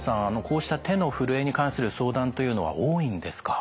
こうした手のふるえに関する相談というのは多いんですか？